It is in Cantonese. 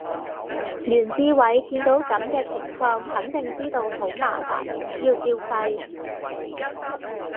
袁志偉見到噉嘅情況肯定知道好麻煩，要照肺